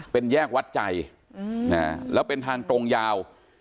เป็นแยกวัดใจแล้วเป็นทางตรงยาว